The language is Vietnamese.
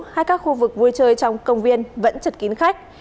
hay các khu vực vui chơi trong công viên vẫn chật kín khách